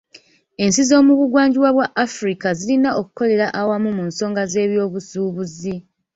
Ensi z'omu bugwanjuba bwa Africa zirina okukolera awamu mu nsonga z'ebyobusuubuzi.